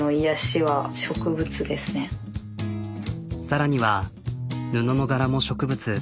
さらには布の柄も植物。